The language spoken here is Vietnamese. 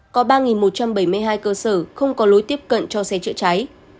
có ba một trăm bảy mươi hai cơ sở không có lối tiếp cận cho xe chữa cháy